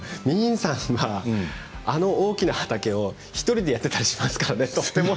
泯さんは、あの大きな畑を１人でやっていたりしますからね。